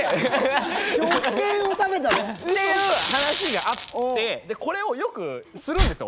食券を食べたの？っていう話があってこれをよくするんですよ